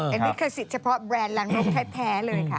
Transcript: เป็นลิขสิทธิ์เฉพาะแบรนด์รังนกแท้เลยค่ะ